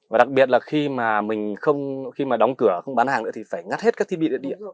và đặc biệt là khi mà mình không khi mà đóng cửa không bán hàng nữa thì phải ngắt hết các thiết bị điện